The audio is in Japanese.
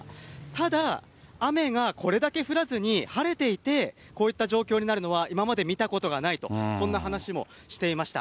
ただ、雨がこれだけ降らずに晴れていてこういった状況になるのは、今まで見たことがないと、そんな話もしていました。